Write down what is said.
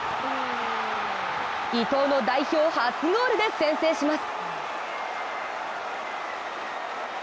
伊藤の代表初ゴールで先制します。